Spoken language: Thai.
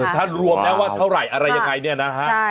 ท่านรวมแล้วว่าเท่าไหร่อะไรยังไงเนี่ยนะฮะ